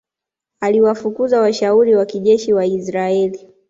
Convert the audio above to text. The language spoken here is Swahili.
Aliwafukuza washauri wa kijeshi wa Israel